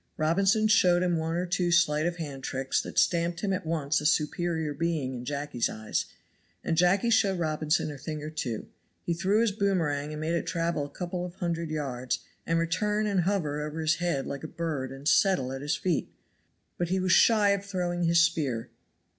Robinson showed him one or two sleight of hand tricks that stamped him at once a superior being in Jacky's eyes, and Jacky showed Robinson a thing or two He threw his boomerang and made it travel a couple of hundred yards, and return and hover over his head like a bird and settle at his feet; but he was shy of throwing his spear.